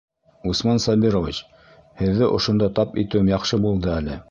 Усман Сабирович, һеҙҙе ошонда тап итеүем яҡшы булды әле.